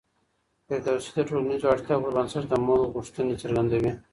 فردوسي د ټولنیزو اړتیاوو پر بنسټ د مړو غوښتنې څرګندوي.